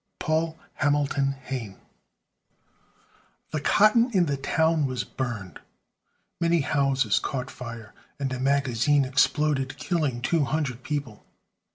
PAUL HAMILTON HAYNE. The cotton in the town was burned, many houses caught fire, and a magazine exploded, killing two hundred people.